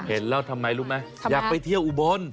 เห็นแล้วทำไมรู้ไหมอยากไปเที่ยวอุบล